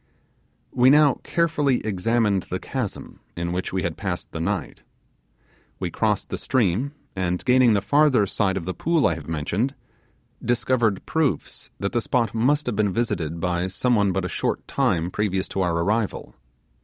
We now carefully examined the chasm in which we had passed the night. We crossed the stream, and gaining the further side of the pool I have mentioned, discovered proofs that the spot must have been visited by some one but a short time previous to our arrival.